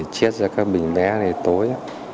chiết ra các bình bé thì tối